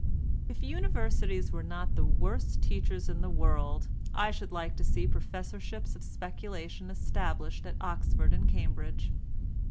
If Universities were not the worst teachers in the world I should like to see professorships of speculation established at Oxford and Cambridge.